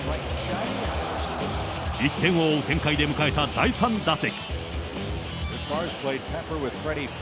１点を追う展開で迎えた第３打席。